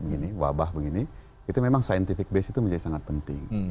begini wabah begini itu memang scientific base itu menjadi sangat penting